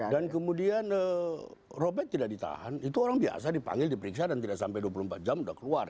dan kemudian robek tidak ditahan itu orang biasa dipanggil diperiksa dan tidak sampai dua puluh empat jam sudah keluar